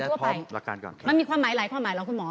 มันมีความหมายอะไรคุณหมอ